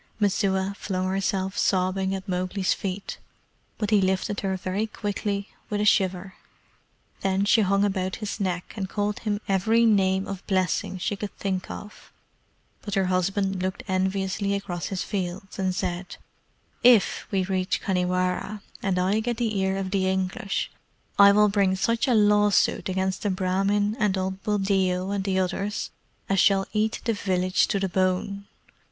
Messua flung herself sobbing at Mowgli's feet, but he lifted her very quickly with a shiver. Then she hung about his neck and called him every name of blessing she could think of, but her husband looked enviously across his fields, and said: "IF we reach Khanhiwara, and I get the ear of the English, I will bring such a lawsuit against the Brahmin and old Buldeo and the others as shall eat the village to the bone.